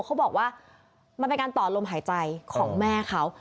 เขาบอกว่ามันเป็นการต่อลมหายใจของแม่เขา